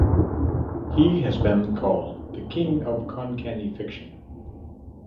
He has been called the "King of Konkani Fiction".